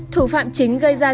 thủ phạm chính gây ra